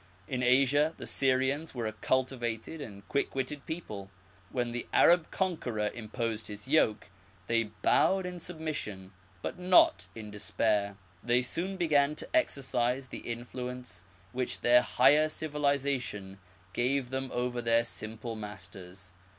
In Asia the Syrians were a cultivated and quick witted people. When the Arab con queror imposed his yoke, they bowed in submission but not in despair. They soon began to exercise the influence which their higher civilization gave them over their simple masters.